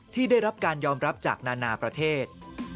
ที่ได้รับการยอมรับจากนานาประเทศ